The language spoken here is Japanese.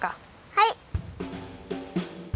はい！